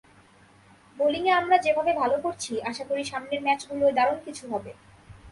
বোলিংয়ে আমরা যেভাবে ভালো করছি, আশা করি সামনের ম্যাচগুলোয় দারুণ কিছু হবে।